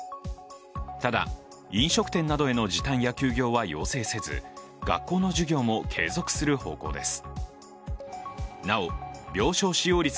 ただ、飲食店などへの時短や休業は要請せず、学校の授業も継続する方向です。